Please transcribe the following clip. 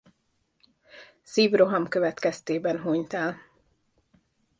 Szívroham következtében hunyt el.